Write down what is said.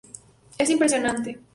Es impresionante.